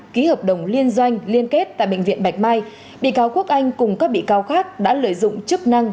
ký hợp đồng liên doanh liên kết tại bệnh viện bạch mai bị cáo quốc anh cùng các bị cáo khác đã lợi dụng chức năng